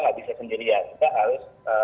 gak bisa sendirian dia harus